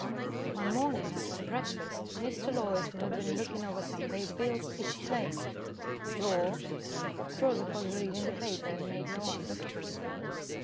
One morning after breakfast, Mr. Loyd, who had been looking over some paid bills, exclaimed, "Joe." Joseph was reading the paper, and made no answer.